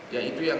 ya itu yang